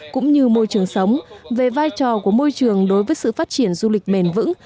cũng như môi trường sống về vai trò của môi trường đối với sự phát triển du lịch bền vững